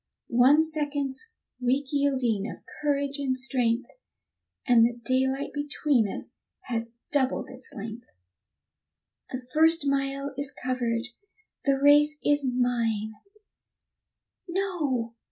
One second's weak yielding of courage and strength, And the daylight between us has doubled its length. The first mile is covered, the race is mine no!